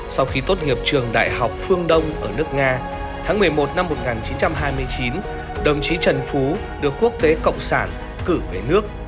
sau khi tốt nghiệp trường đại học phương đông ở nước nga tháng một mươi một năm một nghìn chín trăm hai mươi chín đồng chí trần phú được quốc tế cộng sản cử về nước